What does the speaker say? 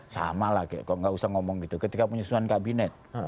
sama lah kayak kok gak usah ngomong gitu ketika penyusuhan kabinet